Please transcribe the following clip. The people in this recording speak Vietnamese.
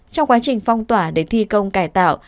trong quá trình phong tỏa để thi công cải tạo